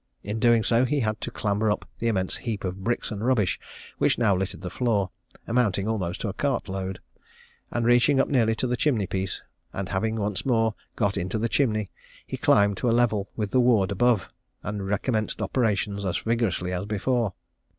In doing so, he had to clamber up the immense heap of bricks and rubbish which now littered the floor, amounting almost to a cart load, and reaching up nearly to the chimney piece; and having once more got into the chimney, he climbed to a level with the ward above, and recommenced operations as vigorously as before.